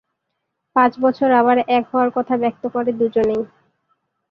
পাঁচ বছর আবার এক হওয়ার কথা ব্যক্ত করে দুজনেই।